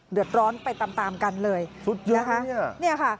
เดือดร้อนไปตามตามกันเลยสุดเยอะนะคะเนี่ยค่ะ